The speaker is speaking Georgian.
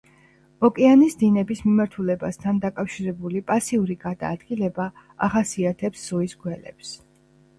ოკეანის დინების მიმართულებასთან დაკავშირებული პასიური გადაადგილება ახასიათებს ზღვის გველებს.